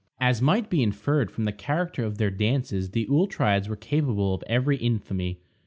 As might be inferred from the character of their dances, the auletrides were capable of every infamy.